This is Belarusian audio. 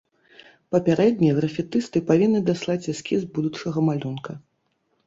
Папярэдне графітысты павінны даслаць эскіз будучага малюнка.